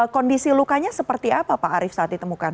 kondisi lukanya seperti apa pak arief saat ditemukan